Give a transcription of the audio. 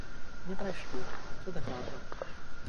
Не прайшлі, усё дакладна.